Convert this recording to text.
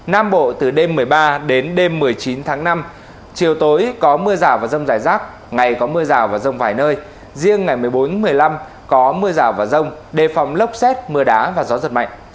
nam bộ từ đêm một mươi ba đến đêm một mươi chín tháng năm chiều tối có mưa rào và rông rải rác ngày có mưa rào và rông vài nơi riêng ngày một mươi bốn một mươi năm có mưa rào và rông đề phòng lốc xét mưa đá và gió giật mạnh